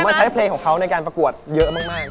ไม่ผมใช้เพลงเค้าที่ประกวดเยอะมาก